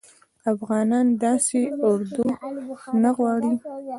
افغانان داسي اردو نه غواړي چې